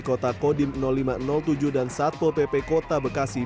kota kodim lima ratus tujuh dan satpol pp kota bekasi